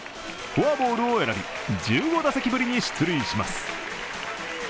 フォアボールを選び、１５打席ぶりに出塁します。